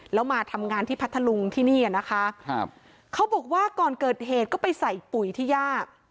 แล้วมาทำงานที่พัทธลุงที่นี่อ่ะนะคะครับเขาบอกว่าก่อนเกิดเหตุก็ไปใส่ปุ๋ยที่ย่า